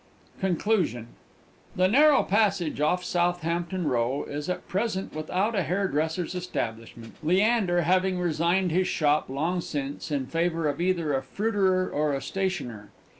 CONCLUSION. The narrow passage off Southampton Row is at present without a hairdresser's establishment, Leander having resigned his shop, long since, in favour of either a fruiterer or a stationer.